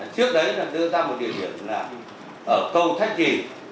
trước đấy là đưa ra một địa điểm là cầu thách trì